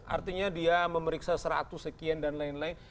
artinya dia memeriksa seratus sekian dan lain lain